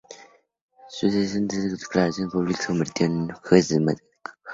Sus sentencias y declaraciones públicas le han convertido en un juez mediático.